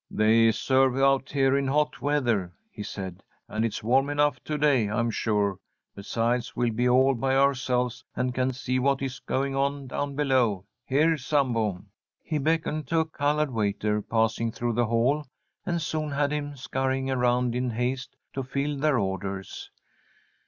"They serve out here in hot weather," he said, "and it's warm enough to day, I'm sure. Besides, we'll be all by ourselves, and can see what is going on down below. Here, Sambo!" He beckoned to a coloured waiter passing through the hall, and soon had him scurrying around in haste to fill their orders.